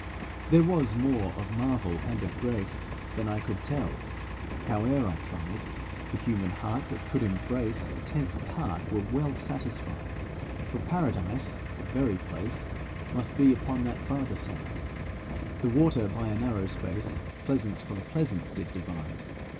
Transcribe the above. There was more of marvel and of grace Than I could tell, howe'er I tried; The human heart that could embrace A tenth part were well satisfied; For Paradise, the very place, Must be upon that farther side; The water by a narrow space Pleasance from pleasance did divide.